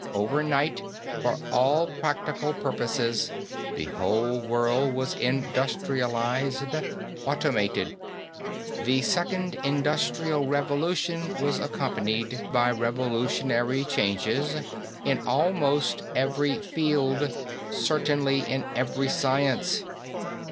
Overnight, for all practical purposes, the whole world was industrialized, automated. The second industrial revolution was accompanied by revolutionary changes in almost every field, certainly in every science.